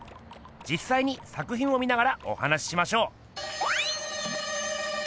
じっさいに作品を見ながらお話ししましょう！